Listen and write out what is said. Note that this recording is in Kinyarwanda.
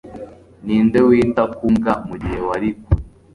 Ninde wita ku mbwa mugihe wari kure